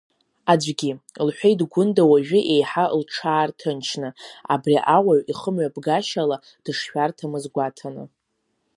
Аӡәгьы, — лҳәеит Гәында, уажәы еиҳа лҽаарҭынчны, абри ауаҩ ихымҩаԥгашьала дышшәарҭамыз гәаҭаны.